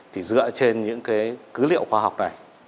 thì dựa trên những cứ liệu khoa học này